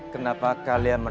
kenapa kalian menemukan